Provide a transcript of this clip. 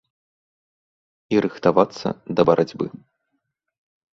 І рыхтавацца да барацьбы.